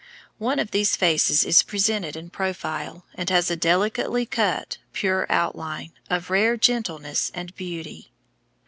One of these faces is presented in profile, and has a delicately cut, pure outline, of rare gentleness and beauty.